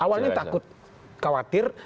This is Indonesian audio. awalnya takut khawatir